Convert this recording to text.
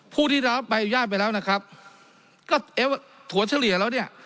ผู้ที่เราไปอยู่ย่างไปแล้วนะครับก็ถั่วเฉลี่ยแล้วเนี่ย